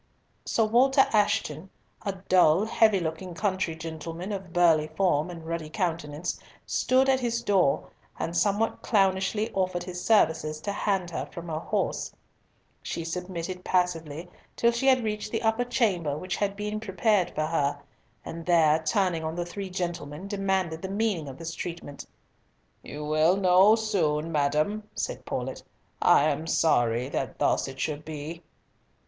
Sir Walter Ashton, a dull heavy looking country gentleman of burly form and ruddy countenance, stood at his door, and somewhat clownishly offered his services to hand her from her horse. She submitted passively till she had reached the upper chamber which had been prepared for her, and there, turning on the three gentlemen, demanded the meaning of this treatment. "You will soon know, madam," said Paulett. "I am sorry that thus it should be."